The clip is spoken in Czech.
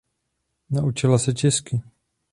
Naučila se česky.